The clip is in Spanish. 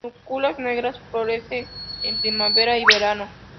Núculas negras Florece en primavera y verano.